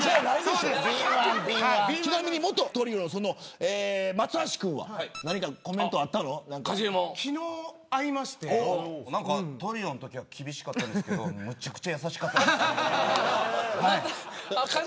ちなみに元トリオの松橋君は昨日会いましてトリオのときは厳しかったんですけどめちゃくちゃ優しかった。